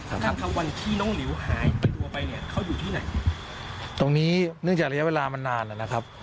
ท่านค่ะวันที่น้องหลิวหายตัวไปเนี่ยเขาอยู่ที่ไหนตรงนี้เนื่องจากระยะเวลามันนานนะครับ